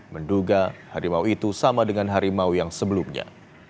menduga harimau itu sama dengan harimau yang sebelumnya